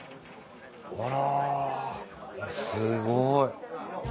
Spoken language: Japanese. あらすごい。